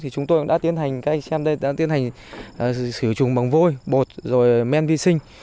chúng tôi đã tiến hành xử trùng bằng vôi bột men vi sinh